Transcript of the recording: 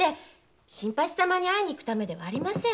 新八様に会いに行くためではありません。